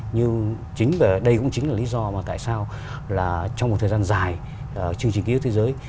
nhưng chính đây cũng chính là lý do mà tại sao là trong một thời gian dài chương trình ký ức thế giới